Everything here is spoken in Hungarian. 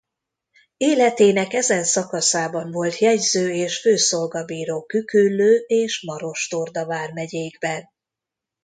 Életének ezen szakaszában volt jegyző és főszolgabíró Küküllő és Maros-Torda vármegyékben.